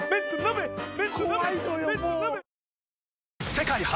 世界初！